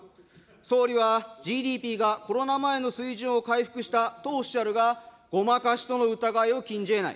総理はＧＤＰがコロナ前の水準を回復したとおっしゃるが、ごまかしとの疑いを禁じえない。